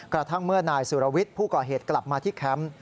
กระทั่งเมื่อนายสุรวิทย์ผู้ก่อเหตุกลับมาที่แคมป์